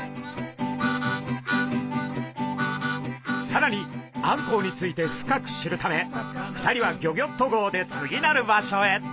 さらにあんこうについて深く知るため２人はギョギョッと号で次なる場所へ。